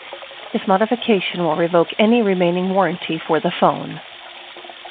This modification will revoke any remaining warranty for the phone.